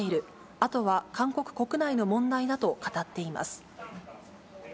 あとは韓国国内の問題だと語っています。